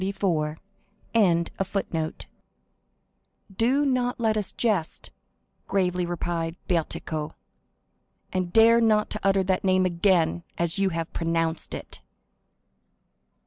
27 "Do not let us jest," gravely replied Bertuccio, "and dare not to utter that name again as you have pronounced it."